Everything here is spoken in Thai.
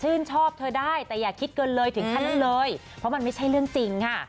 ชอบเธอได้แต่อย่าคิดเกินเลยถึงขั้นนั้นเลยเพราะมันไม่ใช่เรื่องจริงค่ะ